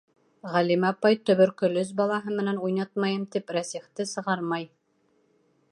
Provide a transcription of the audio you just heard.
— Ғәлимә апай, төбөркөлөз балаһы менән уйнатмайым тип, Рәсихте сығармай.